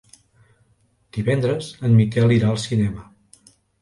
Divendres en Miquel irà al cinema.